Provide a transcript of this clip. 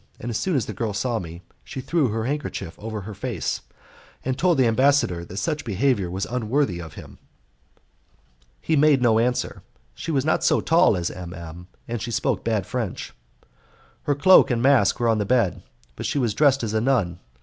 As soon as the girl saw me, she threw her handkerchief over her face, and told the ambassador that such behaviour was unworthy of him. He made no answer. She was not so tall as M M , and she spoke bad French. Her cloak and mask were on the bed, but she was dressed as a nun.